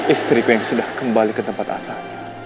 istriku yang sudah kembali ke tempat asal